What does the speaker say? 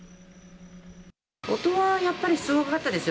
音はやっぱりすごかったですよ。